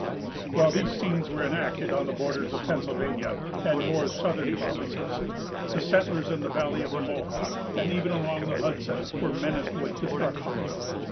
While these scenes were enacted on the borders of Pennsylvania and the more southern provinces, the settlers in the valley of the Mohawk, and even along the Hudson, were menaced with destruction.